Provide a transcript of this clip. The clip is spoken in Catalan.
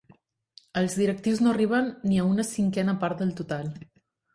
Els directius no arriben ni a una cinquena part del total.